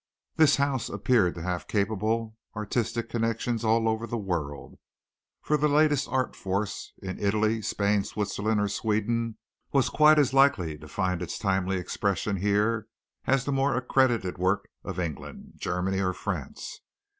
This house appeared to have capable artistic connections all over the world, for the latest art force in Italy, Spain, Switzerland, or Sweden, was quite as likely to find its timely expression here as the more accredited work of England, Germany or France.